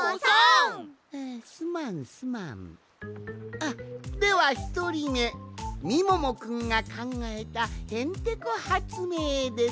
あっではひとりめみももくんがかんがえたへんてこはつめいです。